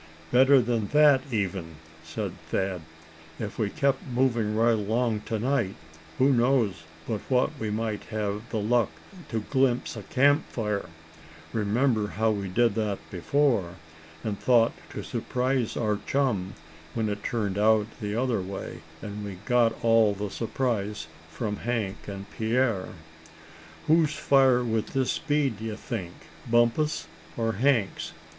"Better than that, even," said Thad, "if we kept moving right along to night who knows but what we might have the luck to glimpse a camp fire. Remember how we did that before, and thought to surprise our chum; when it turned out the other way, and we got all the surprise from Hank and Pierre?" "Whose fire would this be, d'ye think Bumpus', or Hank's?"